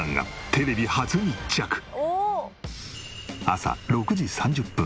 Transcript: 朝６時３０分。